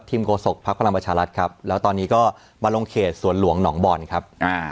ทีมโกศกภักดาลประชาลัดครับแล้วตอนนี้ก็บรรลงค์เขตสวนหลวงหนองบ่อนครับ